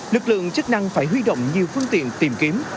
lực lượng chức năng phải huy động nhiều phương tiện tìm kiếm